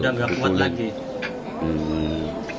udah nggak kuat lagi